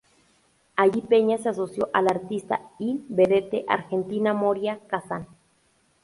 Allí Peña se asoció a la artista y vedette argentina Moria Casán.